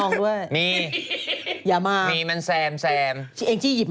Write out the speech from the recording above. เนี่ยพี่วันนี้แบบที่คุณใส่อะไร